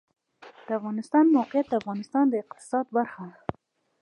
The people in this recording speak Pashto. د افغانستان د موقعیت د افغانستان د اقتصاد برخه ده.